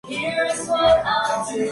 En la ganadería: vacunos, porcinos y aves.